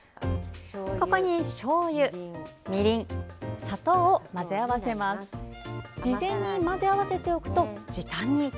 ここに、しょうゆ、みりん砂糖を混ぜ合わせます。